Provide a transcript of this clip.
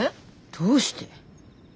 どうして。